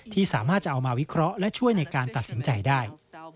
ที่สามารถจะเอามาวิเคราะห์และช่วยในการตัดสินใจได้